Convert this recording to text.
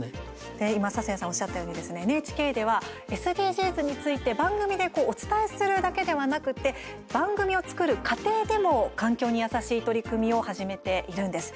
今、笹谷さんおっしゃったようにＮＨＫではＳＤＧｓについて番組でお伝えするだけではなくて番組を作る過程でも環境に優しい取り組みを始めているんです。